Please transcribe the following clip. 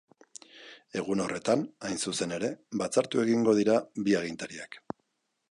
Egun horretan, hain zuzen ere, batzartu egingo dira bi agintariak.